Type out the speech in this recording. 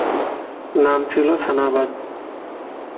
নাম ছিল সানাবাদ।